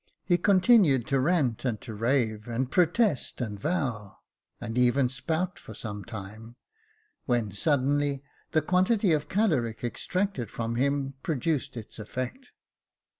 He con tinued to rant and to rave, and protest and vow, and even spout for some time, when suddenly the quantity of caloric extracted from him produced its effect.